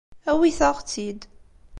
Awit-aɣ-tt-id.